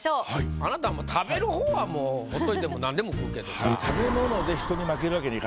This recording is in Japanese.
あなた食べる方はもうほっといてもなんでも食うけどさ。